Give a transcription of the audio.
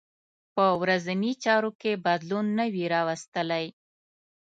په ورځنۍ چارو کې بدلون نه وي راوستلی.